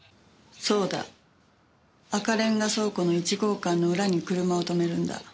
そうだ赤レンガ倉庫の１号館の裏に車を止めるんだ。